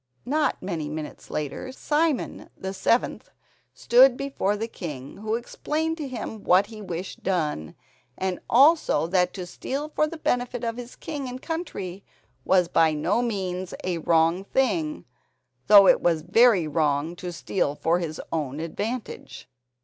Not many minutes later, Simon the seventh stood before the king, who explained to him what he wished done, and also that to steal for the benefit of his king and country was by no means a wrong thing, though it was very wrong to steal for his own advantage.